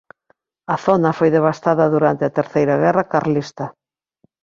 A zona foi devastada durante a Terceira Guerra Carlista.